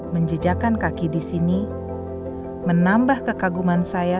menjejakan kaki di sini menambah kekaguman saya